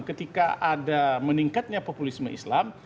ketika ada meningkatnya populisme islam